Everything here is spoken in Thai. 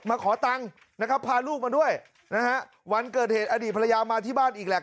ขอตังค์นะครับพาลูกมาด้วยนะฮะวันเกิดเหตุอดีตภรรยามาที่บ้านอีกแหละ